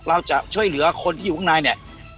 เราจะช่วยเหลือคนที่อยู่ข้างในเนี่ย